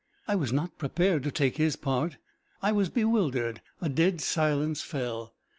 I was not prepared to take his part. I was bewildered. A dead silence fell.